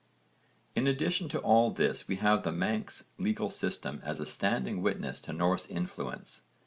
In addition to all this we have the Manx legal system as a standing witness to Norse influence.